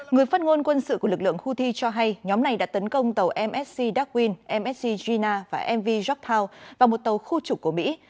người phát ngôn quân sự của lực lượng houthi cho hay nhóm này đã tấn công tàu msc darwin msc gina và mv jopal vào một tàu khu trục của mỹ